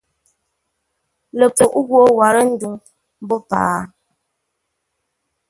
Ləpfuʼ ghwô warə́ ndwuŋ mbó paghʼə?